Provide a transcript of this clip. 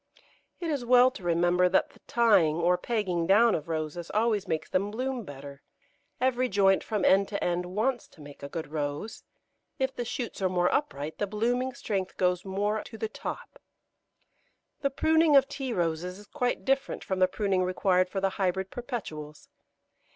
It is well to remember that the tying or pegging down of Roses always makes them bloom better: every joint from end to end wants to make a good Rose; if the shoots are more upright, the blooming strength goes more to the top. The pruning of Tea Roses is quite different from the pruning required for the Hybrid Perpetuals.